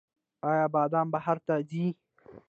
آیا بادام بهر ته ځي؟